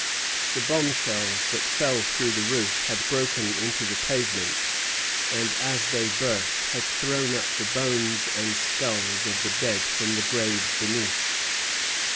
The bombshells that fell through the roof had broken into the pavement, and as they burst had thrown up the bones and skulls of the dead from the graves beneath.